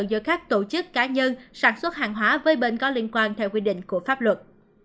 giữa các tổ chức cá nhân sản xuất hàng hóa với bên có liên quan theo quy định của pháp luật